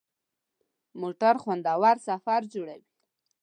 موټر خوندور سفر جوړوي.